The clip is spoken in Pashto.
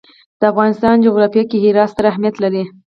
د افغانستان جغرافیه کې هرات ستر اهمیت لري.